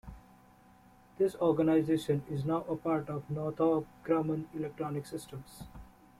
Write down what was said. This organization is now part of Northrop Grumman Electronic Systems.